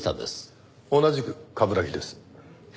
同じく冠城です。